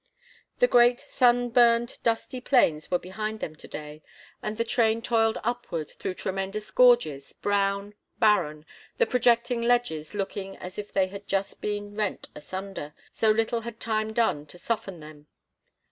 The great, sunburned, dusty plains were behind them to day, and the train toiled upward through tremendous gorges, brown, barren, the projecting ledges looking as if they had but just been rent asunder, so little had time done to soften them.